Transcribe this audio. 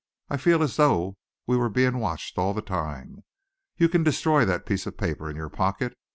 I feel as though we were being watched all the time. You can destroy that piece of paper in your pocket.